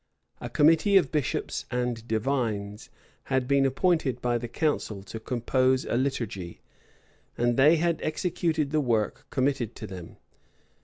A committee of bishops and divines had been appointed by the council to compose a liturgy; and they had executed the work committed to them.